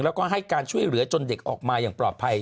แล้วก็ให้การช่วยเหลือจนเด็กออกมาอย่างปลอดภัย